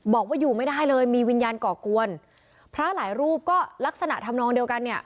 บอกว่าอยู่ไม่ได้เลยมีวิญญาณก่อกวนพระหลายรูปก็ลักษณะทำนองเดียวกันเนี่ย